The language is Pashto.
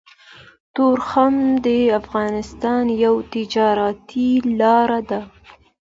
تورخم د افغانستان يوه تجارتي لاره ده